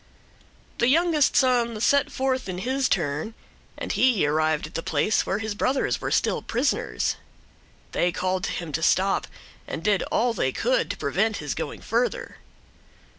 The youngest son set forth in his turn, and he arrived at the place where his brothers where still prisoners. They called to him to stop and did all they could to prevent his going further.